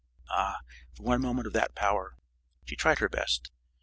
Ah, for one moment of that power! She tried her best.